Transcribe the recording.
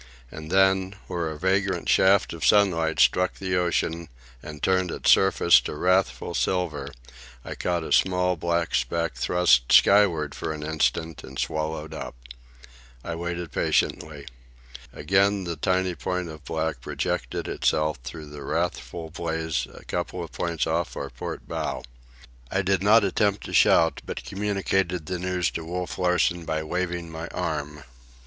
And then, where a vagrant shaft of sunlight struck the ocean and turned its surface to wrathful silver, I caught a small black speck thrust skyward for an instant and swallowed up. I waited patiently. Again the tiny point of black projected itself through the wrathful blaze a couple of points off our port bow. I did not attempt to shout, but communicated the news to Wolf Larsen by waving my arm.